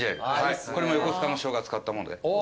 これも横須賀のショウガ使ったもので。